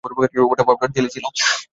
ওটা powder jelly ছিল।